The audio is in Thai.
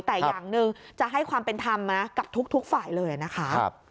แต่อย่างหนึ่งจะให้ความเป็นธรรมกับทุกฝ่ายเลยนะคะ